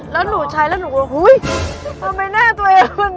แล้วหนูใช้แล้วหนูเฮ้ยไม่แน่ตัวเอง